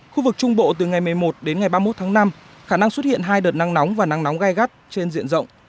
khu vực trung bộ từ ngày một mươi một đến ngày ba mươi một tháng năm khả năng xuất hiện hai đợt nắng nóng và nắng nóng gai gắt trên diện rộng